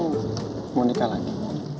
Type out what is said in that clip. jadi nyunjukkan adanya